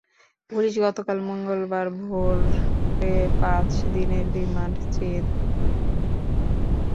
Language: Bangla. পুলিশ গতকাল মঙ্গলবার ভোরে পাঁচ দিনের রিমান্ড চেয়ে তাঁকে আদালতে পাঠায়।